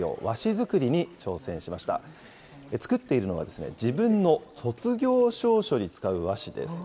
作っているのは、自分の卒業証書に使う和紙です。